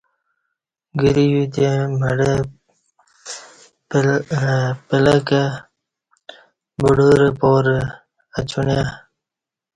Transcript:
گری یوتے مڑہ پلکہ بڈورہ پارہ اچونیہ